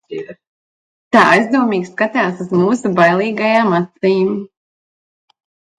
Tā aizdomīgi skatās uz mūsu bailīgajām acīm.